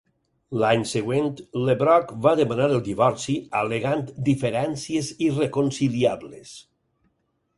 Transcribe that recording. L'any següent, LeBrock va demanar el divorci, al·legant "diferències irreconciliables".